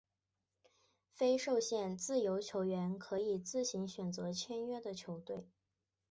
非受限自由球员可以自行选择签约的球队。